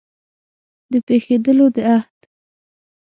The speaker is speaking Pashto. د پېښېدلو د احت